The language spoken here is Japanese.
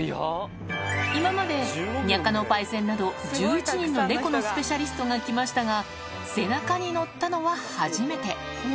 今までにゃかのパイセンなど、１１人の猫のスペシャリストが来ましたが、背中に乗ったのは初めて。